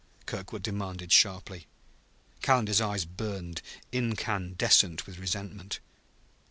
Kirkwood demanded sharply. Calendar's eyes burned, incandescent with resentment.